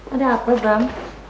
ada apa bam